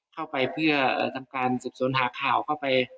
เข้าไปเพื่อทำการสืบสวนหาข่าวเข้าไป